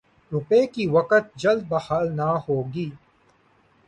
روپے کی وقعت جلد بحال نہ ہوگی۔